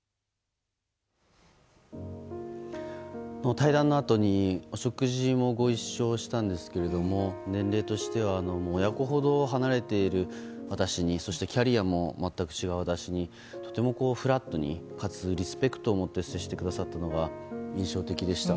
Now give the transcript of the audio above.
対談のあとにお食事をご一緒したんですけども年齢としては親子ほど離れている私にそしてキャリアも全く違う私にとてもフラットにかつ、リスペクトを持って接してくださったのが印象的でした。